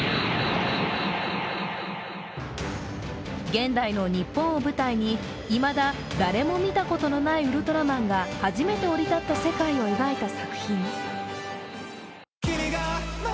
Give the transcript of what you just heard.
現代の日本を舞台にいまだ誰も見たことのないウルトラマンが初めて降り立った世界を描いた作品。